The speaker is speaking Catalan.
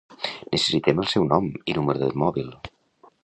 Necessitem el seu nom i número de mòbil.